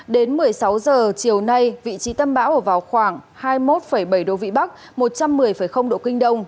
đến một mươi sáu h chiều nay vị trí tâm bão ở vào khoảng hai mươi một bảy độ vĩ bắc một trăm một mươi độ kinh đông